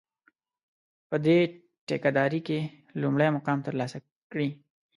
په دې ټېکه داري کې لومړی مقام ترلاسه کړي.